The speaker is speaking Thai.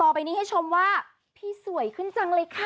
ไปนี้ให้ชมว่าพี่สวยขึ้นจังเลยค่ะ